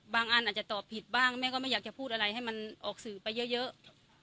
อันอาจจะตอบผิดบ้างแม่ก็ไม่อยากจะพูดอะไรให้มันออกสื่อไปเยอะ